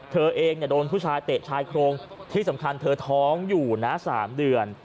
เธอเองโดนผู้ชายเตะชายโครงที่สำคัญเธอท้องอยู่นะ๓เดือน